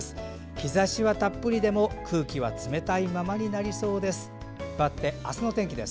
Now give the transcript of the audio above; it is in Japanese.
日ざしはたっぷりでも空気は冷たいままになりそうです。